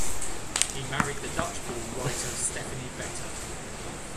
He married the Dutch-born writer Stephanie Vetter.